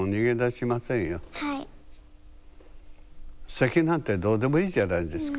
籍なんてどうでもいいじゃないですか。